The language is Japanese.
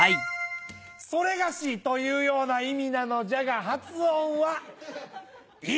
「それがし」というような意味なのじゃが発音はイ。